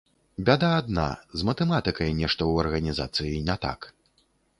Бяда адна, з матэматыкай нешта ў арганізацыі не так.